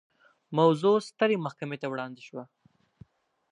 موضوع سترې محکمې ته وړاندې شوه.